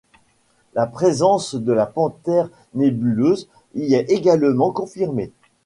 La présence de la Panthère nébuleuse y est également confirmée.